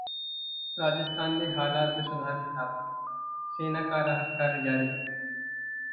राजस्थान में हालात में सुधार का दावा, सेना का राहत कार्य जारी